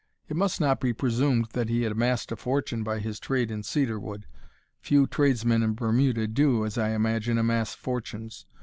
It must not be presumed that he had amassed a fortune by his trade in cedar wood. Few tradesmen in Bermuda do, as I imagine, amass fortunes.